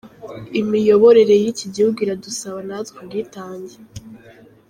Imiyoborere y’iki gihugu iradusaba natwe ubwitange".